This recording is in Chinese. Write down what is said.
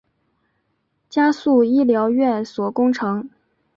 加速医疗院所工程